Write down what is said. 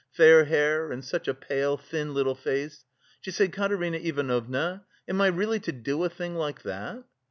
fair hair and such a pale, thin little face). She said: 'Katerina Ivanovna, am I really to do a thing like that?